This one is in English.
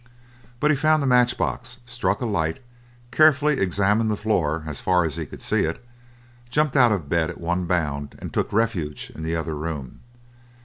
But he found the match box, struck a light, carefully examined the floor as far as he could see it, jumped out of bed at one bound, and took refuge in the other room.